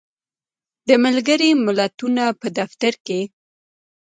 د ملګری ملتونو په دفتر کې